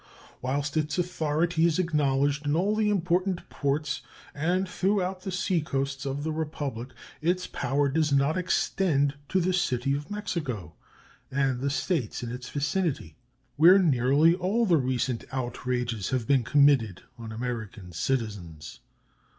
Whilst its authority is acknowledged in all the important ports and throughout the seacoasts of the Republic, its power does not extend to the City of Mexico and the States in its vicinity, where nearly all the recent outrages have been committed on American citizens.